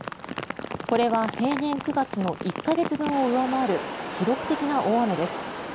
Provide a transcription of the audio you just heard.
これは平年９月の１か月分を上回る記録的な大雨です。